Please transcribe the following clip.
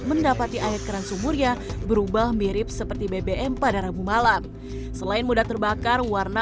mendapati air keran sumurnya berubah mirip seperti bbm pada rabu malam selain mudah terbakar warna